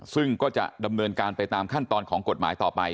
ซึ่งก็จะดำเนินการไปตามขั้นตอนของกฎหมายต่อไป